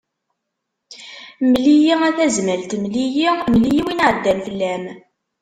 Mel-iyi a Tazmalt mel-iyi, mel-iyi win iɛeddan fell-am.